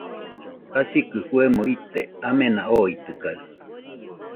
Jasikɨ fue ite amena oitɨkaɨ